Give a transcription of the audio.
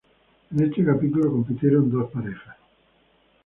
En este capítulo compitieron dos parejas.